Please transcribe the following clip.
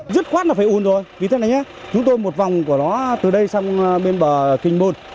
rất khoát là phải uồn rồi vì thế này nhé chúng tôi một vòng của nó từ đây sang bên bờ kinh môn